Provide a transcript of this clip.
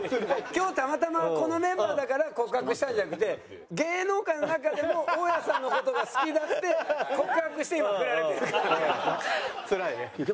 今日たまたまこのメンバーだから告白したんじゃなくて芸能界の中でも大家さんの事が好きだっつって告白して今フラれてるからね。つらいね。